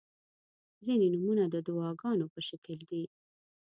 • ځینې نومونه د دعاګانو په شکل دي.